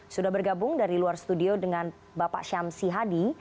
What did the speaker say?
sudah bergabung dari luar studio dengan bapak syamsi hadi